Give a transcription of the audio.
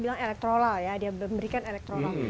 bilang elektrolol ya dia memberikan elektrolol